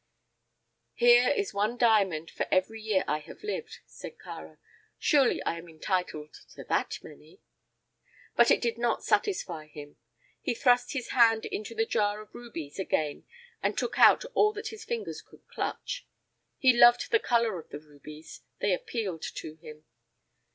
"Here is one diamond for every year I have lived," said Kāra. "Surely I am entitled to that many." But it did not satisfy him. He thrust his hand into the jar of rubies again and took all that his fingers could clutch. He loved the color of the rubies. They appealed to him.